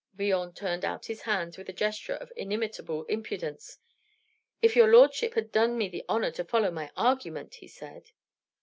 Villon turned out his hands with a gesture of inimitable impudence. "If your lordship had done me the honor to follow my argument!" he said.